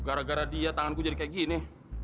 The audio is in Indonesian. gara gara dia tanganku jadi kayak gini